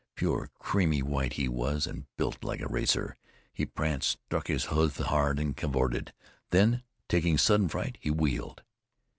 Pure creamy white he was, and built like a racer. He pranced, struck his hoofs hard and cavorted; then, taking sudden fright, he wheeled.